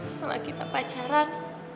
setelah kita pacaran